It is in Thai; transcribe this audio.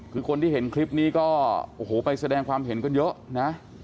คือคนที่เห็นคลิปนี้ก็โอ้โหไปแสดงความเห็นกันเยอะนะ